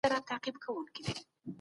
آیا په خطي نسخو کې بدلون راوستل کیږي؟